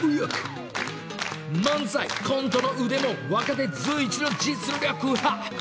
［漫才コントの腕も若手随一の実力派］